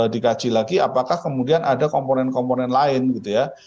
dikaji lagi apakah kemudian ada komponen komponen lain gitu ya